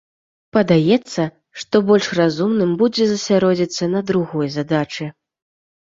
Падаецца, што больш разумным будзе засяродзіцца на другой задачы.